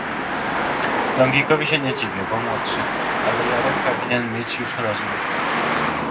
"Longinkowi się nie dziwię, bo młodszy, ale Jaremka winien mieć już rozum."